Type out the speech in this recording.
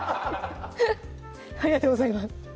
ありがとうございます